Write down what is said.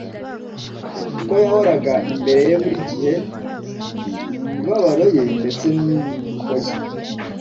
kuko yahoraga imbere ye buri gihe. Mu mibabaro ye ndetse n'imiruho ye,